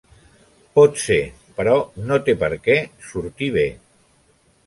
Pot ser, però no té per què sortir bé.